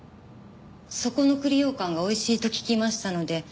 そこの栗ようかんが美味しいと聞きましたので。